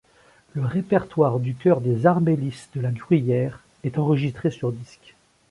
Le répertoire du Chœur des armaillis de la Gruyère est enregistré sur disques.